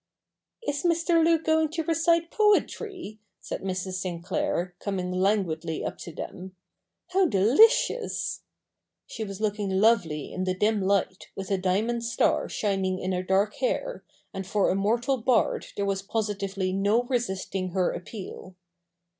' Is Mr. Luke going to recite poetry ?' said Mrs, Sinclair, coming languidly up to them. 'How delicious !' She was looking lovely in the dim light, with a diamond star shining in her dark hair, and for a mortal bard there was positively no resisting her appeal.